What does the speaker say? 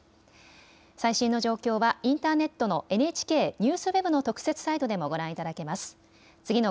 最新の状況はインターネットのＮＨＫＮＥＷＳＷＥＢの特設サイトでもご覧いただけます。